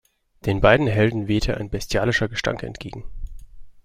Den beiden Helden wehte ein bestialischer Gestank entgegen.